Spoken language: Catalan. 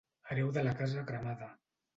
Hereu de la casa cremada.